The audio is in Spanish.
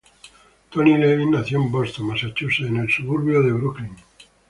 Tony Levin nació en Boston, Massachusetts, en el suburbio de Brookline.